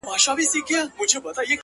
• مُلا ډوب سو په سبا یې جنازه سوه,